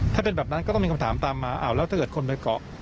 ถ้าเป็นแบบนั้นก็ต้องมีคำถามตามมาอ้าวแล้วถ้าเกิดคนไปเกาะ